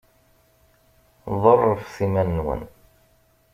Ḍerrfet iman-nwen.